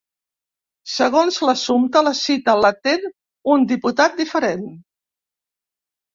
Segons l’assumpte, la cita l’atén un diputat diferent.